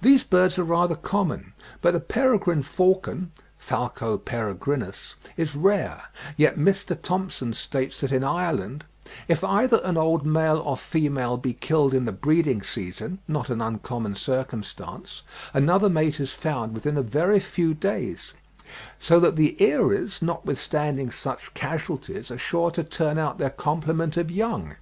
These birds are rather common; but the peregrine falcon (Falco peregrinus) is rare, yet Mr. Thompson states that in Ireland "if either an old male or female be killed in the breeding season (not an uncommon circumstance), another mate is found within a very few days, so that the eyries, notwithstanding such casualties, are sure to turn out their complement of young."